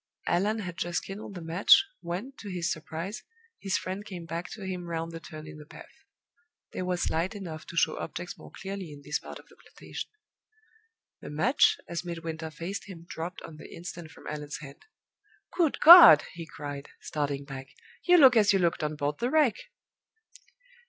Allan had just kindled the match, when, to his surprise, his friend came back to him round the turn in the path. There was light enough to show objects more clearly in this part of the plantation. The match, as Midwinter faced him, dropped on the instant from Allan's hand. "Good God!" he cried, starting back, "you look as you looked on board the Wreck!"